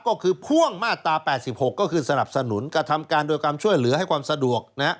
ก็คือพ่วงมาตรา๘๖ก็คือสนับสนุนกระทำการโดยความช่วยเหลือให้ความสะดวก